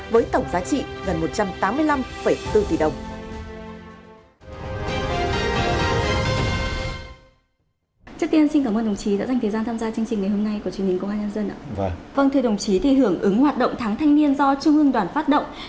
với tổng giá trị gần một trăm tám mươi năm bốn tỷ đồng